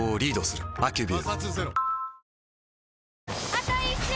あと１周！